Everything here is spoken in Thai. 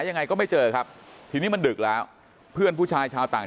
ยังไงก็ไม่เจอครับทีนี้มันดึกแล้วเพื่อนผู้ชายชาวต่าง